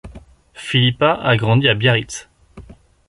Filippa a grandi à Biarritz.